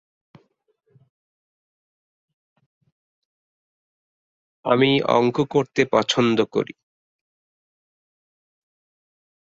আমি অঙ্ক করতে পছন্দ করি।